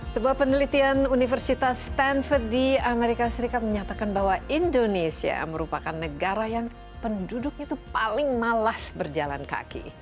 sebuah penelitian universitas stanfood di amerika serikat menyatakan bahwa indonesia merupakan negara yang penduduknya itu paling malas berjalan kaki